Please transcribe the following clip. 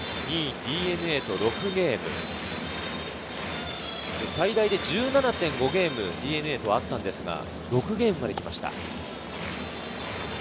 ２位のＤｅＮＡと６ゲーム、最大で１７．５ゲーム、ＤｅＮＡとあったのですが、６ゲームまで来ました。